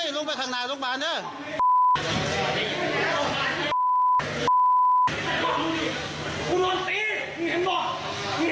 กูโดนตีมึงเห็นป่ะมึงเห็นป่ะเนี่ย